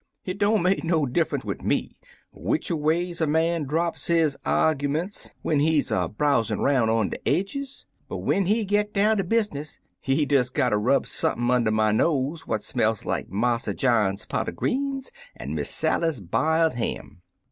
"Hit don't make no diffimce wid me whicherways er man draps his argyments when he's erbrowsin' 'roun' on de aidges, but when he git down ter business, he des gotter rub sumpin' under my nose what smell like Marse John's pot cr greens an' Miss Sally's biled ham.